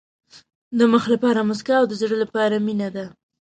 د مخ لپاره موسکا او د زړه لپاره مینه ده.